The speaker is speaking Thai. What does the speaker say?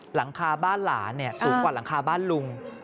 หลังคาบ้านหลานสูงกว่าหลังคาบ้านลุง